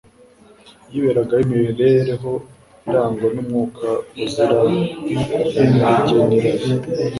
Yiberagaho imibereho irangwa n’umwuka uzira inarijye n’irari,